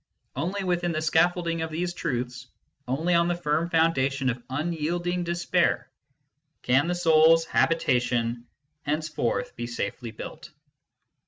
Only within the scaffolding of these truths, only on the firm founda tion of unyielding despair, can the soul s habitation henceforth be safely built.